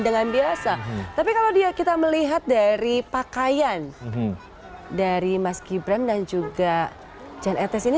dengan biasa tapi kalau dia kita melihat dari pakaian dari mas gibran dan juga jan etes ini